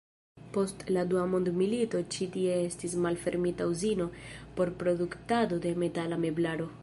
Post la dua mondmilito ĉi tie estis malfermita uzino por produktado de metala meblaro.